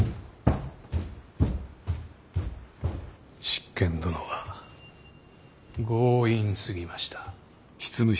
執権殿は強引すぎました。